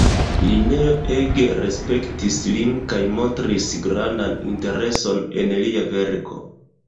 Lineo ege respektis lin kaj montris grandan intereson en lia verko.